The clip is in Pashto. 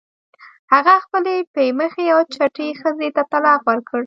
هغه خپلې پی مخې او چټې ښځې ته طلاق ورکړ.